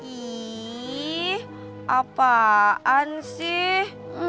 ih apaan sih